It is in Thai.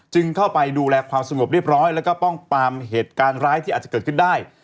เข้าไปดูแลความสงบเรียบร้อยแล้วก็ป้องปรามเหตุการณ์ร้ายที่อาจจะเกิดขึ้นได้